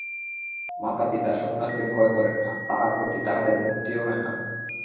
মাতাপিতা সন্তানকে ভয় করেন না, তাহার প্রতি তাঁহাদের ভক্তিও হয় না।